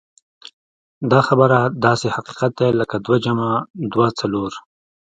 دا خبره داسې حقيقت دی لکه دوه جمع دوه څلور.